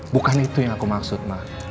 bukan itu yang aku maksud